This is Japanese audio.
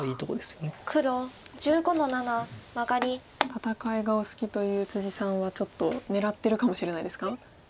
戦いがお好きというさんはちょっと狙ってるかもしれないですか？